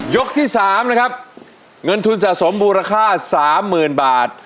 ยกที่สามนะครับเงินทุนส่อสมภูรค่าสามหมื่นบาท